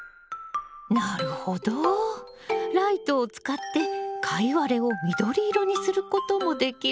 なるほどライトを使ってカイワレを緑色にすることもできるのね。